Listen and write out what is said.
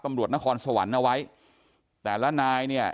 นครสวรรค์เอาไว้แต่ละนายเนี่ย